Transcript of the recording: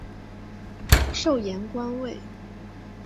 授盐官尉。